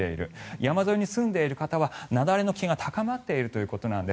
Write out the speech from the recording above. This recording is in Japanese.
山沿いに住んでいる方は雪崩の危険が高まっているということです。